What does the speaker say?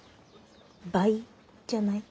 「倍」じゃない？